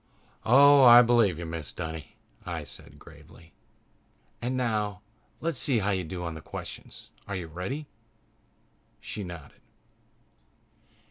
"Oh, I believe you, Mrs. Dunny," I said gravely. "And now, let's see how you do on the questions. Are you ready?" She nodded.